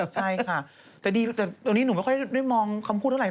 ใช่ค่ะแต่ดีแต่ตอนนี้หนูไม่ค่อยได้มองคำพูดเท่าไห